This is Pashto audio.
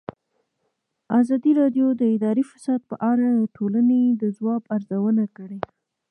ازادي راډیو د اداري فساد په اړه د ټولنې د ځواب ارزونه کړې.